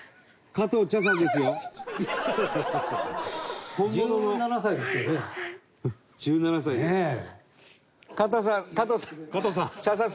加藤さん加藤さん。